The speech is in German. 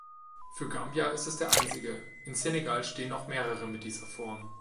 Für Gambia ist es der einzige, in Senegal stehen noch mehrere mit dieser Form.